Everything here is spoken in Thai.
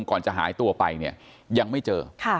ก่อนจะหายตัวไปยังไม่เจอ